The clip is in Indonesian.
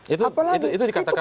itu itu dikatakan